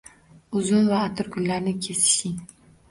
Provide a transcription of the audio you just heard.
- Uzum va atirgullarni kesishing